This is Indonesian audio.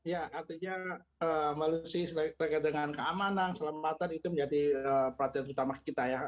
ya artinya melalui keamanan selamatan itu menjadi perhatian utama kita ya